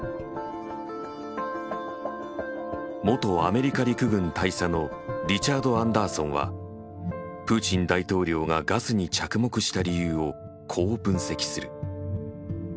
元アメリカ陸軍大佐のリチャード・アンダーソンはプーチン大統領がガスに着目した理由をこう分析する。